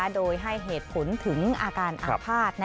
โดยให้เหตุผลถึงอาการอาภาษณ์